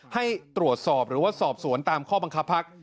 ให้ตรวจสอบหรือว่าสอบสวนตามข้อบังคับพัก